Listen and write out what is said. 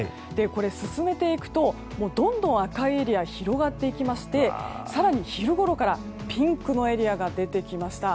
進めていくと、どんどん赤いエリアが広がっていきまして更に昼ごろからピンクのエリアが出てきました。